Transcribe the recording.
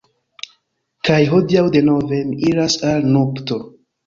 Kaj hodiaŭ, denove, mi iras al nupto.